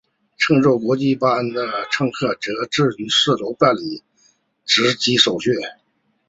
乘坐国际航班的乘客则需至四楼办理值机手续。